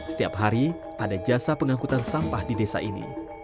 setiap hari ada jasa pengangkutan sampah di desa ini